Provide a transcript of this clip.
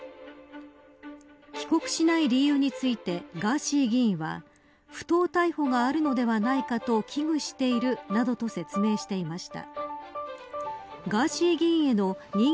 帰国しない理由についてガーシー議員は不当逮捕があるのではないかと危惧しているなどと説明していました。